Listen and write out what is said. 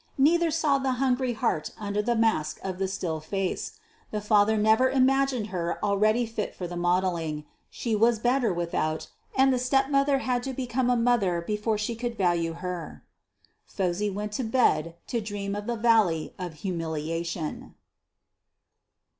Neither saw the hungry heart under the mask of the still face. The father never imagined her already fit for the modelling she was better without, and the stepmother had to become a mother before she could value her. Phosy went to bed to dream of the Valley of Humiliation.